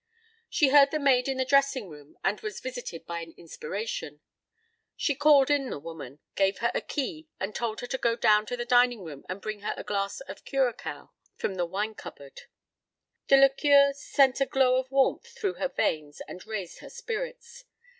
She heard the maid in the dressing room and was visited by an inspiration. She called in the woman, gave her a key and told her to go down to the dining room and bring her a glass of curacoa from the wine cupboard. The liqueur sent a glow of warmth through her veins and raised her spirits.